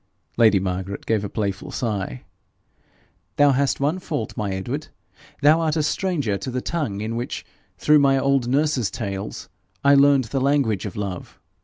Lady Margaret gave a playful sigh. 'Thou hast one fault, my Edward thou art a stranger to the tongue in which, through my old nurse's tales, I learned the language of love.